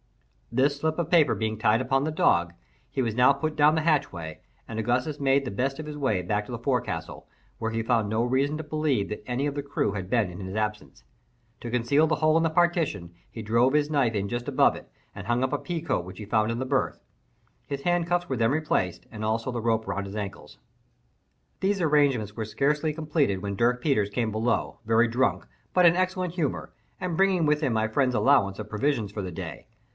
_" This slip of paper being tied upon the dog, he was now put down the hatchway, and Augustus made the best of his way back to the forecastle, where he found no reason to believe that any of the crew had been in his absence. To conceal the hole in the partition, he drove his knife in just above it, and hung up a pea jacket which he found in the berth. His handcuffs were then replaced, and also the rope around his ankles. These arrangements were scarcely completed when Dirk Peters came below, very drunk, but in excellent humour, and bringing with him my friend's allowance of provision for the day.